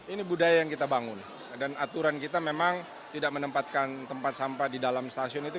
ini budaya yang kita bangun dan aturan kita memang tidak menempatkan tempat sampah di dalam stasiun itu